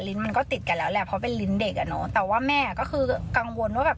มันก็ติดกันแล้วแหละเพราะเป็นลิ้นเด็กอ่ะเนอะแต่ว่าแม่ก็คือกังวลว่าแบบ